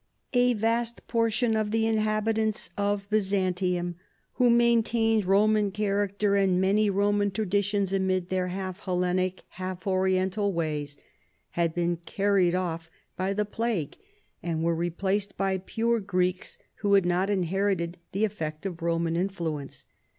" A vast portion of the inhabitants of Bvzantium, who maintained Roman character and RELATIONS WITH THE EAST. 221 many Romaa traditions amid all their half Hellenic, lialf Oriental ways, had been carried off by the plague, and were replaced by pure Greeks who had not inherited the effect of Roman influence.